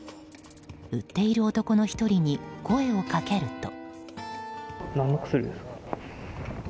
売っている男の１人に声をかけると。